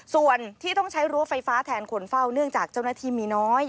ส่วนที่ต้องใช้รั้วไฟฟ้าแทนคนเฝ้าเนื่องจากเจ้าหน้าที่มีน้อย